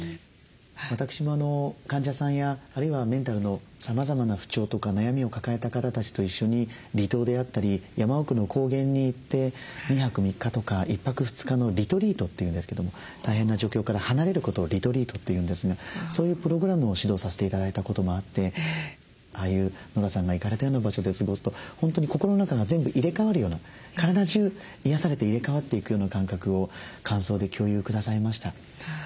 私も患者さんやあるいはメンタルのさまざまな不調とか悩みを抱えた方たちと一緒に離島であったり山奥の高原に行って２泊３日とか１泊２日のリトリートというんですけども大変な状況から離れることをリトリートというんですがそういうプログラムを指導させて頂いたこともあってああいうノラさんが行かれたような場所で過ごすと本当に心の中が全部入れ替わるような体中癒やされて入れ替わっていくような感覚を感想で共有くださいました。